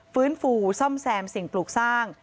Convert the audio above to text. ฟื้นฟูซ่อมแซมสิ่งปลูกสร้าง